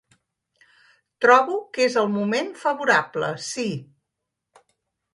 Trobo que és el moment favorable, sí.